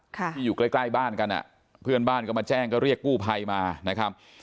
ที่อยู่ใกล้ใกล้บ้านกันอ่ะเพื่อนบ้านก็มาแจ้งก็เรียกกู้ภัยมานะครับ